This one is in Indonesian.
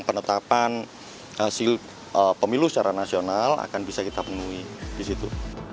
penetapan hasil pemilu secara nasional akan bisa kita penuhi di situ